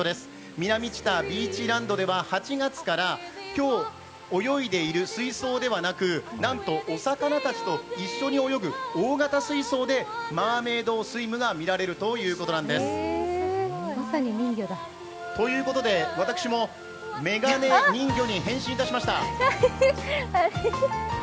南知多ビーチランドでは８月から、今日泳いでいる水槽ではなくなんとお魚たちと一緒に泳ぐ大型水槽でマーメイドスイムが見られるということなんです。ということで、私もメガネ人魚に変身いたしました。